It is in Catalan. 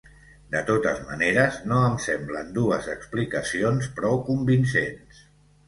De totes maneres, no em semblen dues explicacions prou convincents.